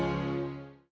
kurang ajar pak